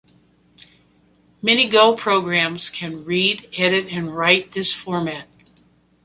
Many Go programs can read, edit, and write this format.